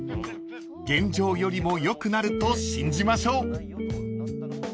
［現状よりも良くなると信じましょう］